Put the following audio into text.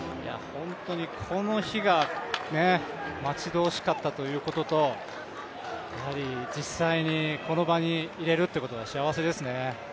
本当に、この日が待ち遠しかったということと、やはり実際にこの場にいれるということが幸せですね。